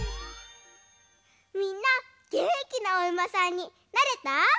みんなげんきなおうまさんになれた？